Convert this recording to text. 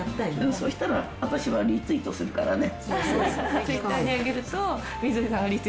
そしたら、私はリツイートするからね。